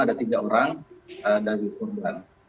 ada tiga orang dari korban